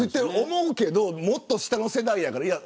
思うけどもっと下の世代やから。